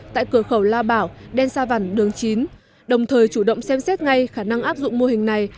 tại cửa khẩu la bảo đen sa văn đường chín đồng thời chủ động xem xét ngay khả năng áp dụng mô hình này